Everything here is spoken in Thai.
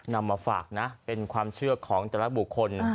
นำมาฝากนะเป็นความเชื่อของแต่ละบุคคล